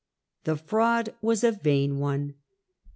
The fraud was a vain one.